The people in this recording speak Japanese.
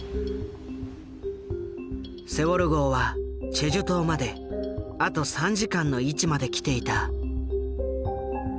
セウォル号はチェジュ島まであと３時間の位置まで来ていた。